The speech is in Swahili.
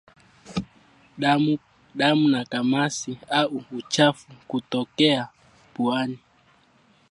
Damu na kamasi au uchafu kutokea puani